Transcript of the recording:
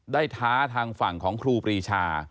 ท้าทางฝั่งของครูปรีชา